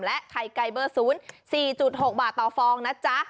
และไข่ไก่เบอร์ศูนย์๔๖บาทต่อฟองนะจ๊ะ